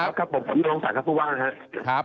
ครับผมท่านพระศกรบุญลักษณ์ท่านผู้ว่านะครับ